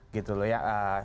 gitu loh ya